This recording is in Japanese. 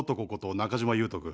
中島裕翔君。